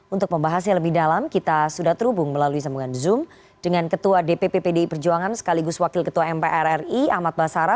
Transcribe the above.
untuk membahasnya lebih dalam kita sudah terhubung melalui sambungan zoom dengan ketua dpp pdi perjuangan sekaligus wakil ketua mpr ri ahmad basara